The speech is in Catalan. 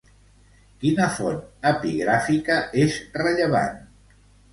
Quina font epigràfica és rellevant?